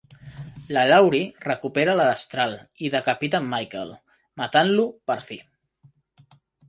La Laurie recupera la destral i decapita en Michael, matant-lo per fi.